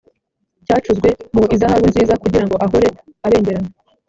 cyacuzwe mu izahabu nziza kugira ngo ahore ibengerana